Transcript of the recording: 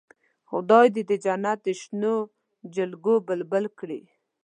خدای دې د جنت د شنو جلګو بلبل کړي.